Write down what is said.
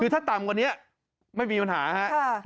คือถ้าต่ำกว่านี้ไม่มีปัญหาครับ